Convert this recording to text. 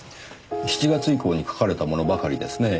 ７月以降に書かれたものばかりですね。